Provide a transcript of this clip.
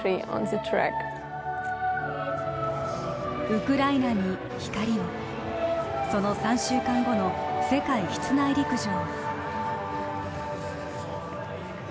ウクライナに光を、その３週間後の世界室内陸上。